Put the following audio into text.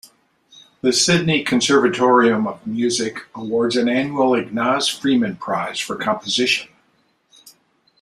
The Sydney Conservatorium of Music awards an annual Ignaz Friedman Prize for composition.